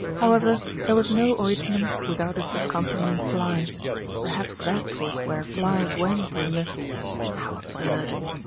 However, there was no oint ment without its accompanying fly perhaps that was where flies went in the how absurd!